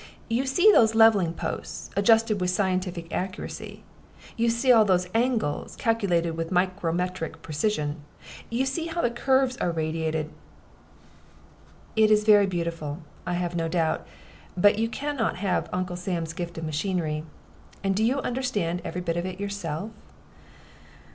You see those leveling posts, adjusted with scientific accuracy. You see all those angles, calculated with micrometric precision. You see how the curves are radiated " "It is very beautiful, I have no doubt; but you can not have Uncle Sam's gift of machinery. And do you understand every bit of it yourself?"